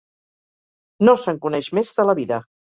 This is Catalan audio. No se'n coneix més de la vida.